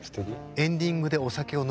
エンディングでお酒を飲む番組。